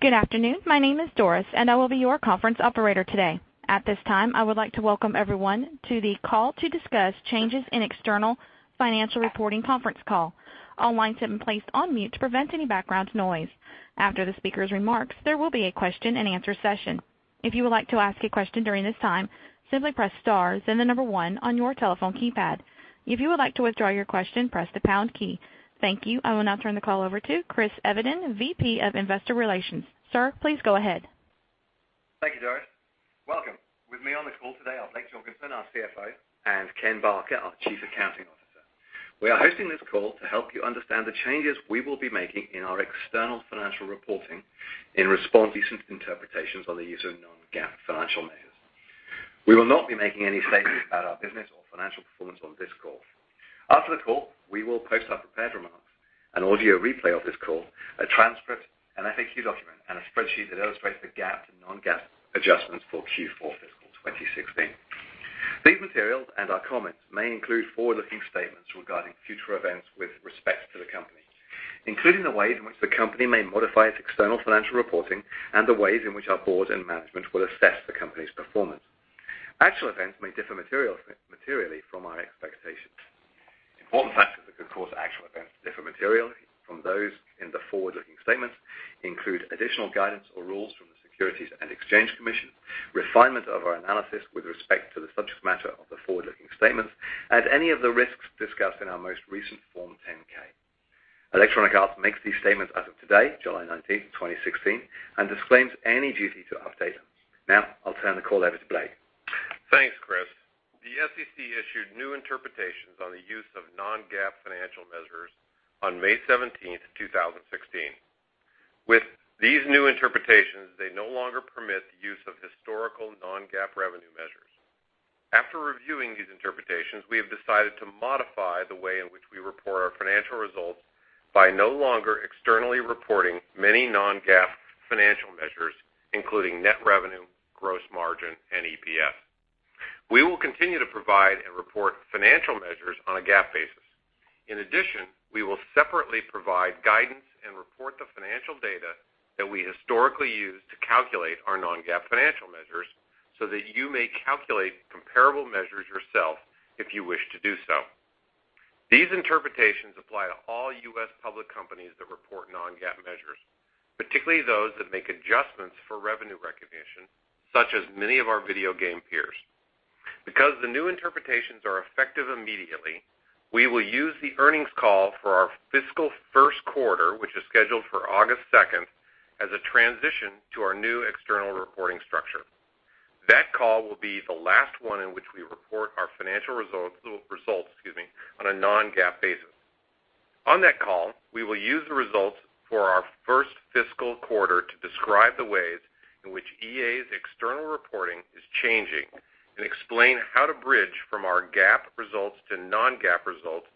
Good afternoon. My name is Doris, and I will be your conference operator today. At this time, I would like to welcome everyone to the call to discuss changes in external financial reporting conference call. All lines have been placed on mute to prevent any background noise. After the speaker's remarks, there will be a question-and-answer session. If you would like to ask a question during this time, simply press star, then the number one on your telephone keypad. If you would like to withdraw your question, press the pound key. Thank you. I will now turn the call over to Chris Evenden, VP of Investor Relations. Sir, please go ahead. Thank you, Doris. Welcome. With me on the call today are Blake Jorgensen, our CFO, and Ken Barker, our Chief Accounting Officer. We are hosting this call to help you understand the changes we will be making in our external financial reporting in response to some interpretations on the use of non-GAAP financial measures. We will not be making any statements about our business or financial performance on this call. After the call, we will post our prepared remarks, an audio replay of this call, a transcript, an FAQ document, and a spreadsheet that illustrates the GAAP and non-GAAP adjustments for Q4 fiscal 2016. These materials and our comments may include forward-looking statements regarding future events with respect to the company, including the ways in which the company may modify its external financial reporting and the ways in which our board and management will assess the company's performance. Actual events may differ materially from our expectations. Important factors that could cause actual events to differ materially from those in the forward-looking statements include additional guidance or rules from the Securities and Exchange Commission, refinement of our analysis with respect to the subject matter of the forward-looking statements and any of the risks discussed in our most recent Form 10-K. Electronic Arts makes these statements as of today, July 19, 2016, and disclaims any duty to update them. Now, I'll turn the call over to Blake. Thanks, Chris. The SEC issued new interpretations on the use of non-GAAP financial measures on May 17, 2016. With these new interpretations, they no longer permit the use of historical non-GAAP revenue measures. After reviewing these interpretations, we have decided to modify the way in which we report our financial results by no longer externally reporting many non-GAAP financial measures, including net revenue, gross margin, and EPS. We will continue to provide and report financial measures on a GAAP basis. In addition, we will separately provide guidance and report the financial data that we historically use to calculate our non-GAAP financial measures so that you may calculate comparable measures yourself if you wish to do so. These interpretations apply to all U.S. public companies that report non-GAAP measures, particularly those that make adjustments for revenue recognition, such as many of our video game peers. Because the new interpretations are effective immediately, we will use the earnings call for our fiscal first quarter, which is scheduled for August 2nd, as a transition to our new external reporting structure. That call will be the last one in which we report our financial results on a non-GAAP basis. On that call, we will use the results for our first fiscal quarter to describe the ways in which EA's external reporting is changing and explain how to bridge from our GAAP results to non-GAAP results,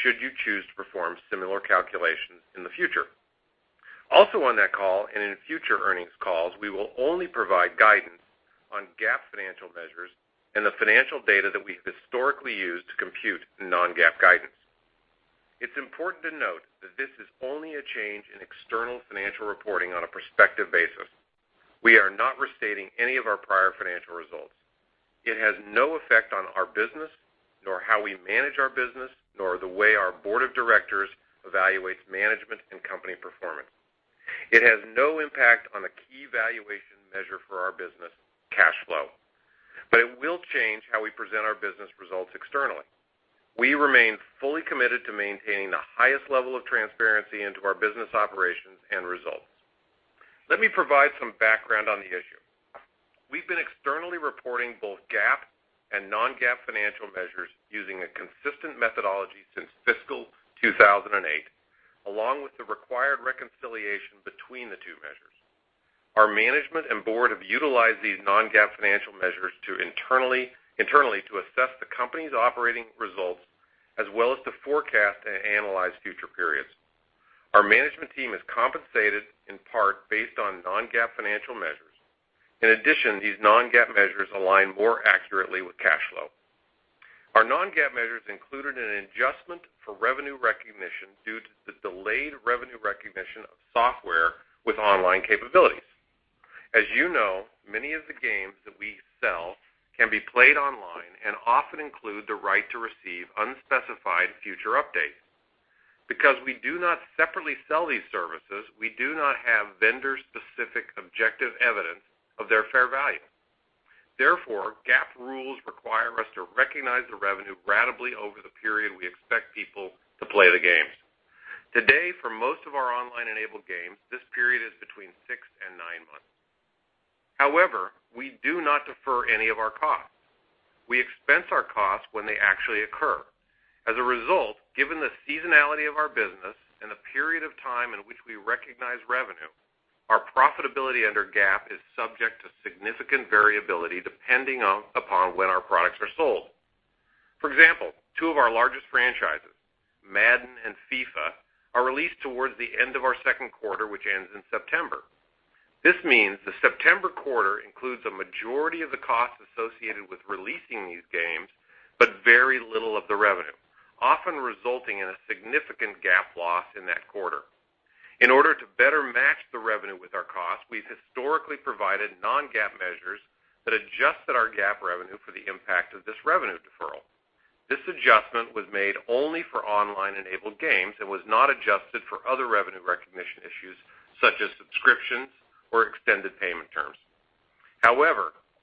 should you choose to perform similar calculations in the future. On that call, and in future earnings calls, we will only provide guidance on GAAP financial measures and the financial data that we've historically used to compute non-GAAP guidance. It's important to note that this is only a change in external financial reporting on a prospective basis. We are not restating any of our prior financial results. It has no effect on our business, nor how we manage our business, nor the way our board of directors evaluates management and company performance. It has no impact on the key valuation measure for our business cash flow. It will change how we present our business results externally. We remain fully committed to maintaining the highest level of transparency into our business operations and results. Let me provide some background on the issue. We've been externally reporting both GAAP and non-GAAP financial measures using a consistent methodology since fiscal 2008, along with the required reconciliation between the two measures. Our management and board have utilized these non-GAAP financial measures internally to assess the company's operating results as well as to forecast and analyze future periods. Our management team is compensated in part based on non-GAAP financial measures. In addition, these non-GAAP measures align more accurately with cash flow. Our non-GAAP measures included an adjustment for revenue recognition due to the delayed revenue recognition of software with online capabilities. As you know, many of the games that we sell can be played online and often include the right to receive unspecified future updates. Because we do not separately sell these services, we do not have vendor-specific objective evidence of their fair value. Therefore, GAAP rules require us to recognize the revenue ratably over the period we expect people to play the games. Today, for most of our online-enabled games, this period is between six and nine months. We do not defer any of our costs. We expense our costs when they actually occur. Given the seasonality of our business and the period of time in which we recognize revenue, our profitability under GAAP is subject to significant variability depending upon when our products are sold. For example, two of our largest franchises, Madden and FIFA, are released towards the end of our second quarter, which ends in September. This means the September quarter includes a majority of the costs associated with releasing these games, but very little of the revenue. Often resulting in a significant GAAP loss in that quarter. In order to better match the revenue with our costs, we've historically provided non-GAAP measures that adjusted our GAAP revenue for the impact of this revenue deferral. This adjustment was made only for online-enabled games and was not adjusted for other revenue recognition issues such as subscriptions or extended payment terms.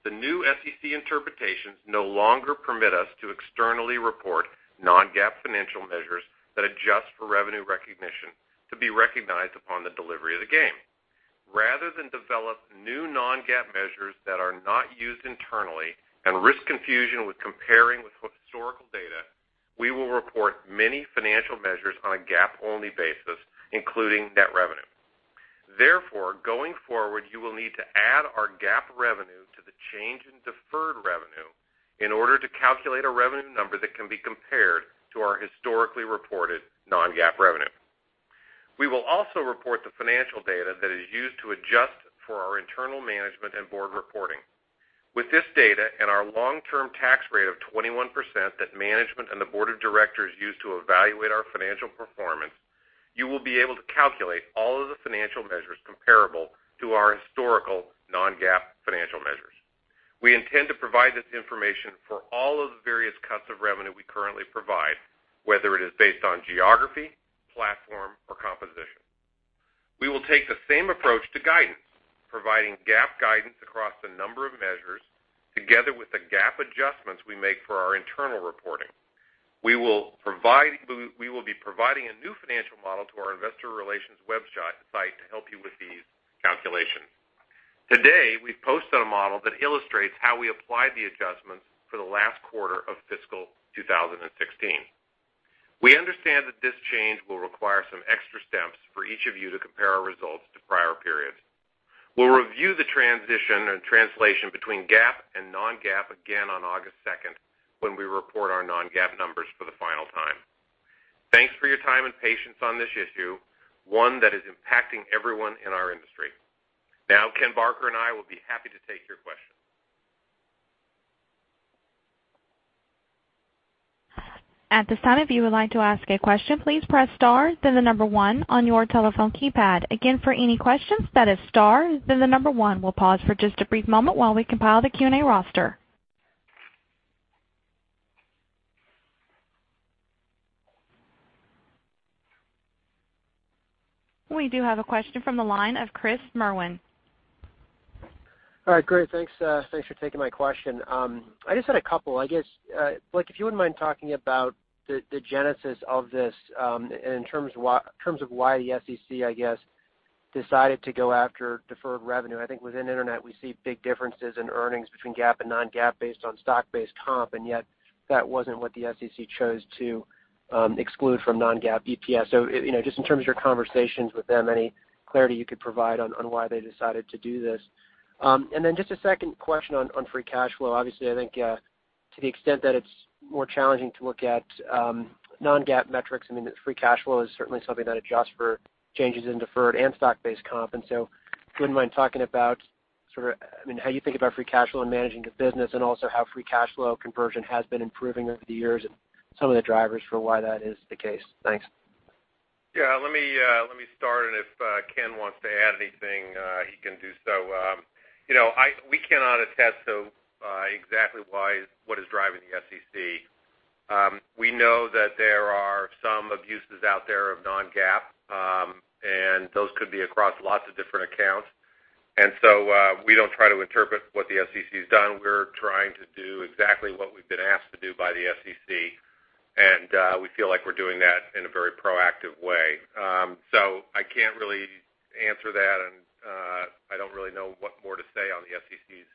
The new SEC interpretations no longer permit us to externally report non-GAAP financial measures that adjust for revenue recognition to be recognized upon the delivery of the game. Rather than develop new non-GAAP measures that are not used internally and risk confusion with comparing with historical data, we will report many financial measures on a GAAP-only basis, including net revenue. Therefore, going forward, you will need to add our GAAP revenue to the change in deferred revenue in order to calculate a revenue number that can be compared to our historically reported non-GAAP revenue. We will also report the financial data that is used to adjust for our internal management and board reporting. With this data and our long-term tax rate of 21% that management and the board of directors use to evaluate our financial performance, you will be able to calculate all of the financial measures comparable to our historical non-GAAP financial measures. We intend to provide this information for all of the various cuts of revenue we currently provide, whether it is based on geography, platform, or composition. We will take the same approach to guidance, providing GAAP guidance across a number of measures together with the GAAP adjustments we make for our internal reporting. We will be providing a new financial model to our investor relations website to help you with these calculations. Today, we've posted a model that illustrates how we applied the adjustments for the last quarter of fiscal 2016. We understand that this change will require some extra steps for each of you to compare our results to prior periods. We'll review the transition and translation between GAAP and non-GAAP again on August 2nd when we report our non-GAAP numbers for the final time. Thanks for your time and patience on this issue, one that is impacting everyone in our industry. Ken Barker and I will be happy to take your questions. At this time, if you would like to ask a question, please press star then the number one on your telephone keypad. Again, for any questions, that is star then the number one. We'll pause for just a brief moment while we compile the Q&A roster. We do have a question from the line of Chris Merwin. All right, great, thanks. Thanks for taking my question. I just had a couple. I guess, Blake, if you wouldn't mind talking about the genesis of this in terms of why the SEC, I guess, decided to go after deferred revenue. I think within internet, we see big differences in earnings between GAAP and non-GAAP based on stock-based comp, and yet that wasn't what the SEC chose to exclude from non-GAAP EPS. Just in terms of your conversations with them, any clarity you could provide on why they decided to do this? Just a second question on free cash flow. Obviously, I think to the extent that it's more challenging to look at non-GAAP metrics, I mean, free cash flow is certainly something that adjusts for changes in deferred and stock-based comp. If you wouldn't mind talking about how you think about free cash flow and managing the business and also how free cash flow conversion has been improving over the years and some of the drivers for why that is the case. Thanks. Yeah, let me start, and if Ken wants to add anything, he can do so. We cannot attest to exactly what is driving the SEC. We know that there are some abuses out there of non-GAAP and those could be across lots of different accounts. We don't try to interpret what the SEC has done. We're trying to do exactly what we've been asked to do by the SEC, and we feel like we're doing that in a very proactive way. I can't really answer that and I don't really know what more to say on the SEC's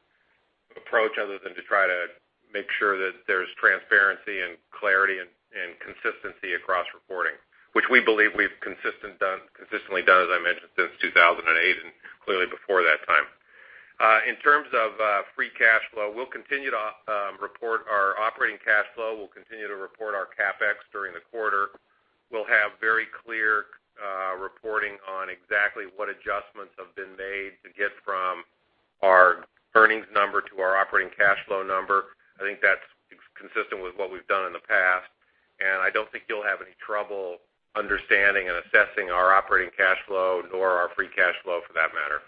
approach other than to try to make sure that there's transparency and clarity and consistency across reporting, which we believe we've consistently done, as I mentioned, since 2008 and clearly before that time. In terms of free cash flow, we'll continue to report our operating cash flow. We'll continue to report our CapEx during the quarter. We'll have very clear reporting on exactly what adjustments have been made to get from our earnings number to our operating cash flow number. I think that's consistent with what we've done in the past, and I don't think you'll have any trouble understanding and assessing our operating cash flow or our free cash flow for that matter.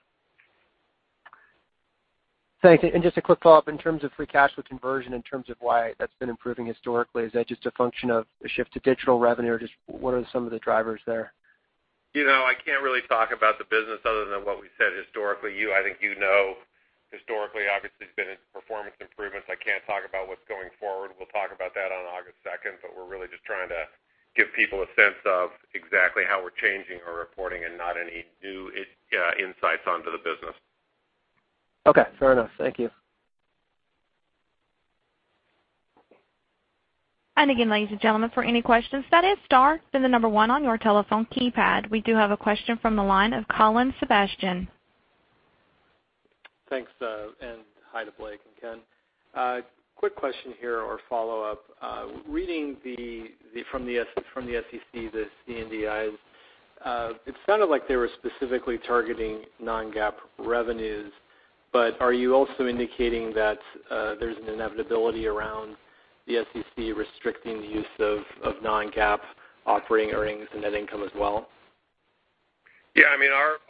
Just a quick follow-up in terms of free cash flow conversion in terms of why that's been improving historically. Is that just a function of the shift to digital revenue or just what are some of the drivers there? I can't really talk about the business other than what we said historically. I think you know historically, obviously there's been performance improvements. I can't talk about what's going forward. We'll talk about that on August 2nd, but we're really just trying to give people a sense of exactly how we're changing our reporting and not any new insights onto the business. Okay, fair enough. Thank you. Again, ladies and gentlemen, for any questions, that is star then the number one on your telephone keypad. We do have a question from the line of Colin Sebastian. Thanks and hi to Blake and Ken. Quick question here or follow-up. Reading from the SEC, the C&DI. It sounded like they were specifically targeting non-GAAP revenues, but are you also indicating that there's an inevitability around the SEC restricting the use of non-GAAP operating earnings and net income as well? Yeah.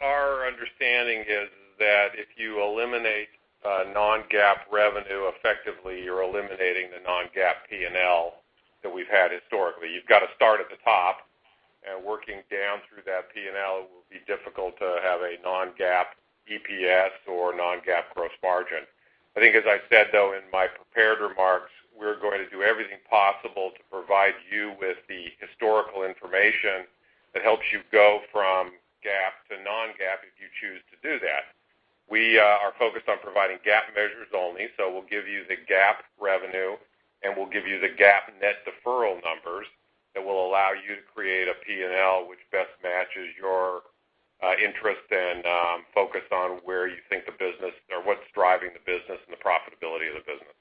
Our understanding is that if you eliminate non-GAAP revenue, effectively, you're eliminating the non-GAAP P&L that we've had historically. You've got to start at the top, and working down through that P&L, it will be difficult to have a non-GAAP EPS or non-GAAP gross margin. I think, as I said, though, in my prepared remarks, we're going to do everything possible to provide you with the historical information that helps you go from GAAP to non-GAAP if you choose to do that. We are focused on providing GAAP measures only, so we'll give you the GAAP revenue and we'll give you the GAAP net deferral numbers that will allow you to create a P&L which best matches your interest and focus on what's driving the business and the profitability of the business.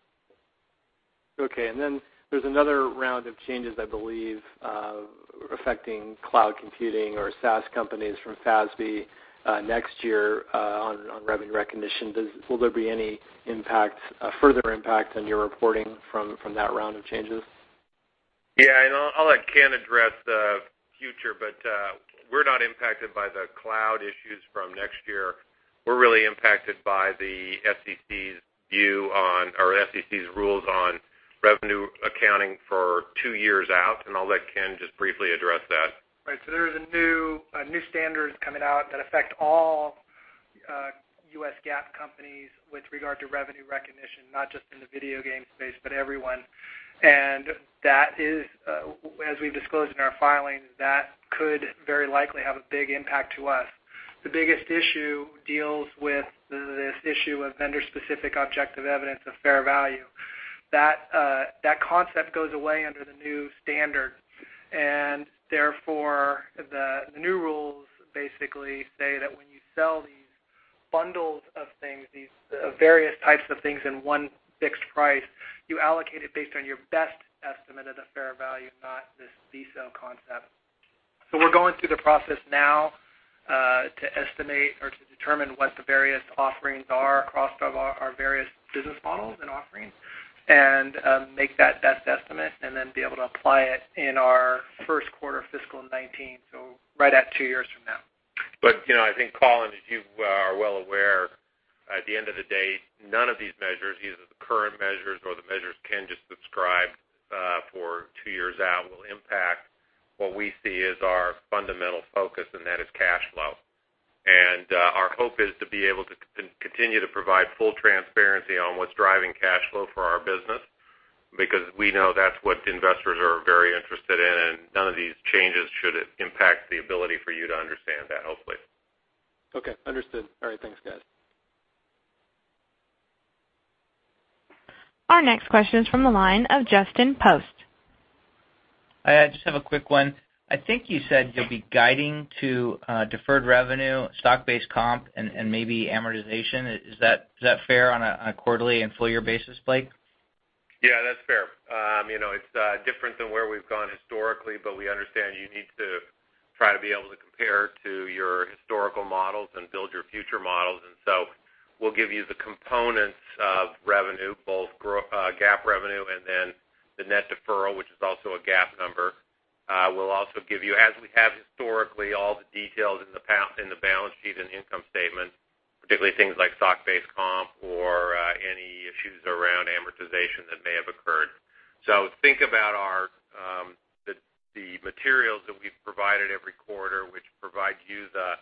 Okay. Then there's another round of changes, I believe, affecting cloud computing or SaaS companies from FASB next year on revenue recognition. Will there be any further impact on your reporting from that round of changes? Yeah. I'll let Ken address the future, we're not impacted by the cloud issues from next year. We're really impacted by the SEC's view on, or SEC's rules on revenue accounting for two years out. I'll let Ken just briefly address that. Right. There is a new standard coming out that affect all U.S. GAAP companies with regard to revenue recognition, not just in the video game space, but everyone. That is, as we've disclosed in our filings, that could very likely have a big impact to us. The biggest issue deals with this issue of Vendor Specific Objective Evidence of fair value. That concept goes away under the new standard. Therefore, the new rules basically say that when you sell these bundles of things, these various types of things in one fixed price, you allocate it based on your best estimate of the fair value, not this VSOE concept. We're going through the process now to estimate or to determine what the various offerings are across our various business models and offerings and make that best estimate and then be able to apply it in our first quarter fiscal 2019, so right at two years from now. I think, Colin, as you are well aware, at the end of the day, none of these measures, either the current measures or the measures Ken just described for two years out, will impact what we see as our fundamental focus, and that is cash flow. Our hope is to be able to continue to provide full transparency on what's driving cash flow for our business because we know that's what investors are very interested in and none of these changes should impact the ability for you to understand that, hopefully. Okay. Understood. All right. Thanks, guys. Our next question is from the line of Justin Post. Hi. I just have a quick one. I think you said you'll be guiding to deferred revenue, stock-based comp, and maybe amortization. Is that fair on a quarterly and full-year basis, Blake? Yeah, that's fair. It's different than where we've gone historically, but we understand you need to try to be able to compare to your historical models and build your future models. We'll give you the components of revenue, both GAAP revenue and then the net deferral, which is also a GAAP number. We'll also give you, as we have historically, all the details in the balance sheet and income statement, particularly things like stock-based comp or any issues around amortization that may have occurred. Think about the materials that we've provided every quarter, which provide you the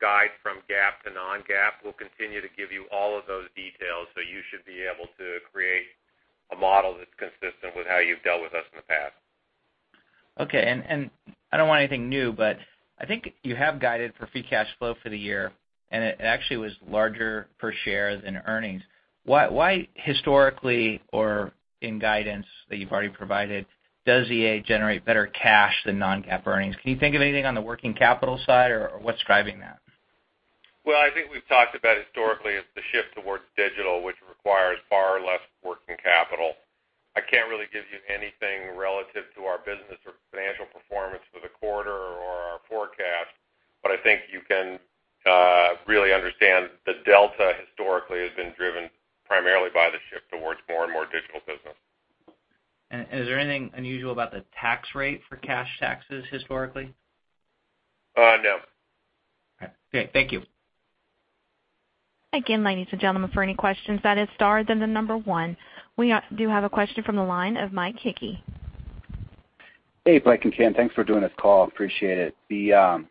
guide from GAAP to non-GAAP. We'll continue to give you all of those details so you should be able to create a model that's consistent with how you've dealt with us in the past. Okay. I don't want anything new, but I think you have guided for free cash flow for the year and it actually was larger per share than earnings. Why historically or in guidance that you've already provided does EA generate better cash than non-GAAP earnings? Can you think of anything on the working capital side or what's driving that? Well, I think we've talked about historically it's the shift towards digital which requires far less working capital. I can't really give you anything relative to our business or financial performance for the quarter or our forecast, but I think you can really understand the delta historically has been driven primarily by the shift towards more and more digital business. Is there anything unusual about the tax rate for cash taxes historically? No. Okay. Thank you. Again, ladies and gentlemen, for any questions, that is star, then 1. We do have a question from the line of Mike Hickey. Hey, Blake and Ken. Thanks for doing this call. Appreciate it.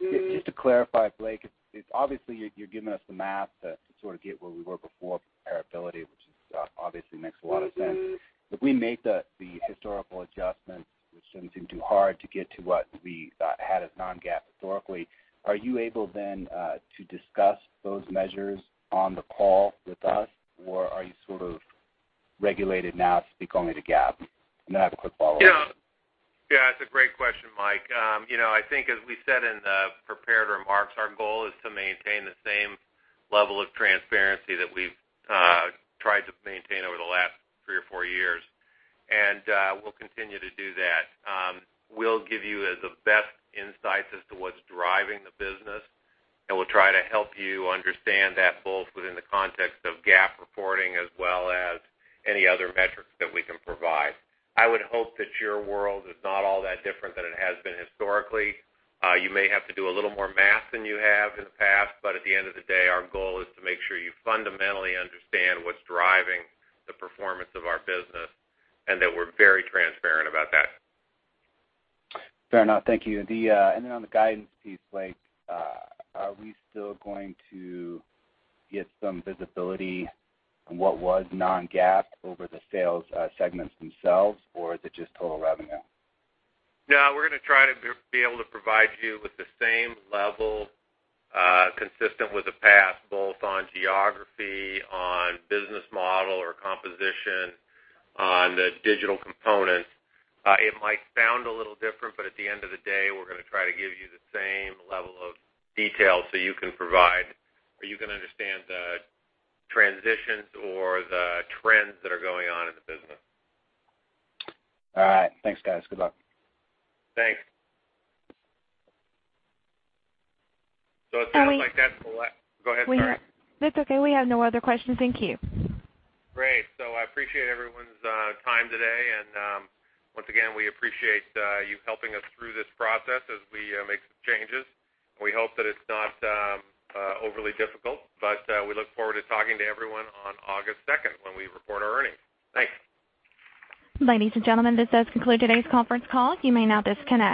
Just to clarify, Blake, obviously you're giving us the math to sort of get where we were before for comparability which obviously makes a lot of sense. If we make the historical adjustments, which shouldn't seem too hard to get to what we had as non-GAAP historically, are you able then to discuss those measures on the call with us or are you sort of regulated now to speak only to GAAP? I have a quick follow-up. Yeah. That's a great question, Mike. I think as we said in the prepared remarks, our goal is to maintain the same level of transparency that we've tried to maintain over the last three or four years and we'll continue to do that. We'll give you the best insights as to what's driving the business and we'll try to help you understand that both within the context of GAAP reporting as well as any other metrics that we can provide. I would hope that your world is not all that different than it has been historically. You may have to do a little more math than you have in the past, at the end of the day, our goal is to make sure you fundamentally understand what's driving the performance of our business and that we're very transparent about that. Fair enough. Thank you. On the guidance piece, Blake, are we still going to get some visibility on what was non-GAAP over the sales segments themselves or is it just total revenue? No, we're going to try to be able to provide you with the same level consistent with the past both on geography, on business model or composition on the digital components. It might sound a little different, at the end of the day, we're going to try to give you the same level of detail so you can provide or you can understand the transitions or the trends that are going on in the business. All right. Thanks, guys. Good luck. Thanks. It sounds like that's the last. Go ahead, sorry. That's okay. We have no other questions. Thank you. Great. I appreciate everyone's time today and once again, we appreciate you helping us through this process as we make some changes and we hope that it's not overly difficult, but we look forward to talking to everyone on August 2nd when we report our earnings. Thanks. Ladies and gentlemen, this does conclude today's conference call. You may now disconnect.